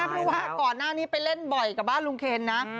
เพราะว่าก่อนหน้านี้ไปเล่นบ่อยกับบ้านลุงเคนนะ